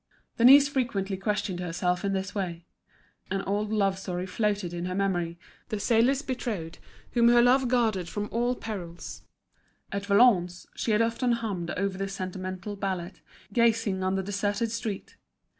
Denise frequently questioned herself in this way. An old love story floated in her memory, the sailor's betrothed whom her love guarded from all perils. At Valognes she had often hummed over this sentimental ballad, gazing on the deserted street.